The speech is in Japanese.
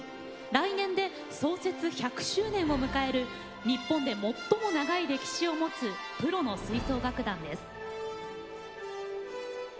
来年で創設１００周年を迎える日本で最も長い歴史を持つプロの吹奏楽団です。